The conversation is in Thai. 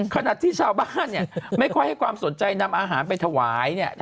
ขนาดที่ชาวบ้านเนี่ยไม่ค่อยให้ความสนใจนำอาหารไปถวายเนี่ย